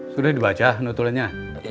sudah dibaca nutulannya